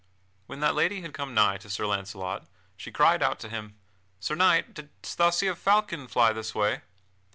When that lady had come nigh to Sir Launcelot, she cried out to him: "Sir Knight, didst thou see a falcon fly this way?"